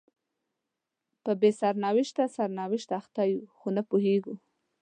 په بې سرنوشته سرنوشت اخته یو خو نه پوهیږو